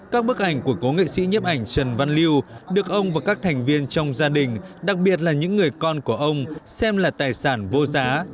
các bức ảnh của cố nghệ sĩ nhấp ảnh trần văn liêu được ông và các thành viên trong gia đình đặc biệt là những người con của ông xem là tài sản vô giá